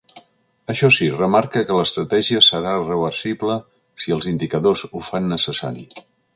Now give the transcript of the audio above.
Això sí, remarca que l’estratègia serà reversible si els indicadors ho fan necessari.